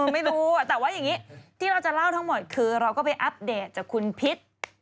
ไม่รู้แต่ว่าอย่างนี้ที่เราจะเล่าทั้งหมดคือเราก็ไปอัปเดตจากคุณพิษ